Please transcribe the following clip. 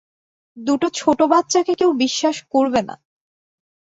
দুটো ছোট বাচ্চাকে কেউ বিশ্বাস করবে না।